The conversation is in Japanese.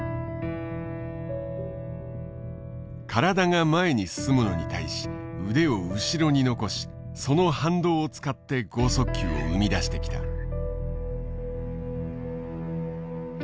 体が前に進むのに対し腕を後ろに残しその反動を使って剛速球を生み出してきた。